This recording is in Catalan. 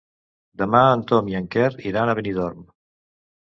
Demà en Tom i en Quer iran a Benidorm.